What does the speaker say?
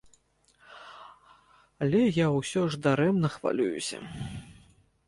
Але я ўсё ж дарэмна хвалююся.